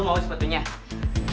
mau sepatu gak